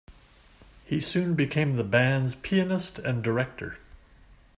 He soon became the band's pianist and director.